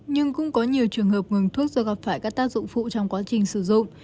nhưng cũng có nhiều trường hợp ngừng thuốc do gặp phải các tác dụng phụ trong quá trình sử dụng